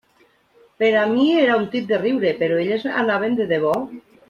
Per a mi era un tip de riure, però elles anaven de debò.